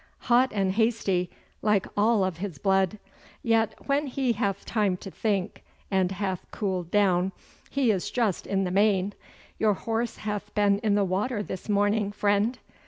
'Hot and hasty, like all of his blood. Yet when he hath time to think, and hath cooled down, he is just in the main. Your horse hath been in the water this morning, vriend.